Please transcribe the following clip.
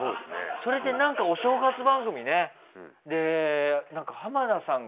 それでなんかお正月番組ね。